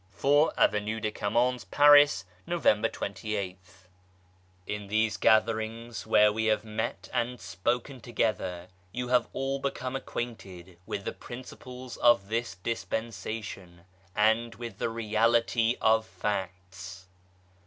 4, Avenue de Camoens, Paris, November 28th. TN these gatherings where we have met and spoken together you have all become acquainted with the principles of this dispensation, and with the reality of facts.